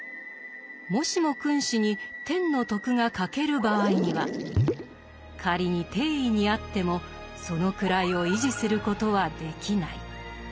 もしも君子に天の徳が欠ける場合にはかりに帝位にあってもその位を維持することはできない。